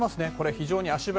非常に足早。